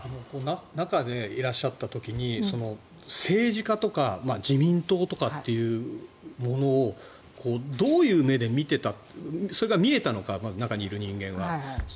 中にいらっしゃった時政治家とか自民党とかっていうものをどういう目で見ていたそれが見えたのか中にいる人間は。